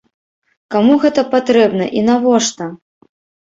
Каму гэта патрэбна і навошта?